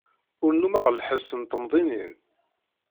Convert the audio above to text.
Ur nnummeɣ lḥess n temdinin.